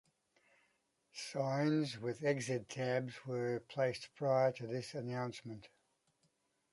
Signs with exit tabs were placed prior to this announcement.